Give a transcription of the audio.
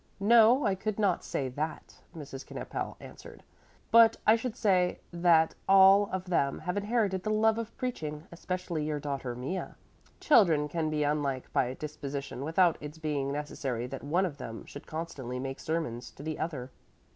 "No, I could not say that," Mrs. Knippel answered. "But I should say that all of them have inherited the love of preaching, especially your daughter Mea. Children can be unlike by disposition without its being necessary that one of them should constantly make sermons to the other."